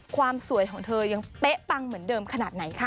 ความสวยของเธอยังเป๊ะปังเหมือนเดิมขนาดไหนค่ะ